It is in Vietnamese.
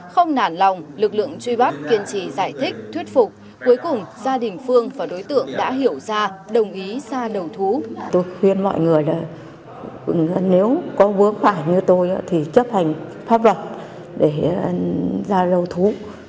không nản lòng lực lượng truy bắt kiên trì giải thích thuyết phục cuối cùng gia đình phương và đối tượng đã hiểu ra đồng ý ra đầu thú